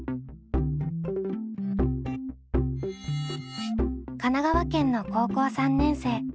神奈川県の高校３年生みゆみゆ。